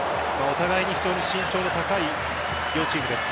お互いに非常に身長の高い両チームです。